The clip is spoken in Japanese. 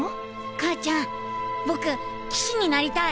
母ちゃん僕騎士になりたい。